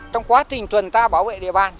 trong quá trình tuần tra bảo vệ địa bàn